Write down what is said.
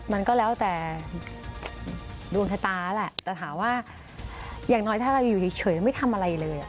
มันก็แล้วแต่ดวงชะตาแหละแต่ถามว่าอย่างน้อยถ้าเราอยู่เฉยไม่ทำอะไรเลย